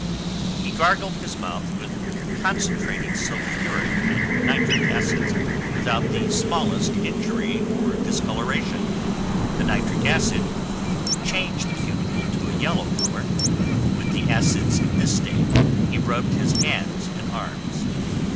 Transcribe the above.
He gargled his mouth with concentrated sulphuric and nitric acids, without the smallest injury or discoloration; the nitric acid changed the cuticle to a yellow color; with the acids in this state he rubbed his hands and arms.